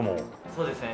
そうですね